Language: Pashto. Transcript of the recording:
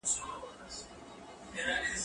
هغه وويل چي وخت تېریدل ضروري دي!.